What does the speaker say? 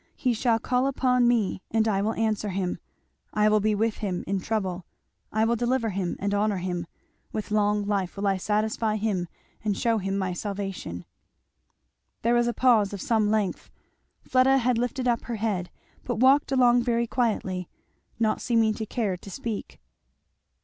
He shall call upon me, and I will answer him; I will be with him in trouble; I will deliver him, and honour him. With long life will I satisfy him, and shew him my salvation.'" There was a pause of some length. Fleda had lifted up her head, but walked along very quietly, not seeming to care to speak.